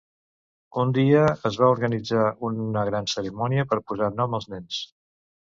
Un dia, es va organitzar una gran cerimònia per posar nom als nens.